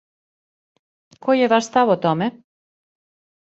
Који је ваш став о томе?